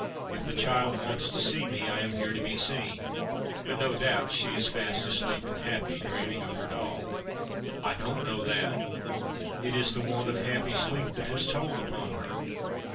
If the child wants to see me I am here to be seen ; but no doubt she is fast asleep and happy— dreaming of her doll." "I don't know that. It is the want of happy sleep that has told upon her.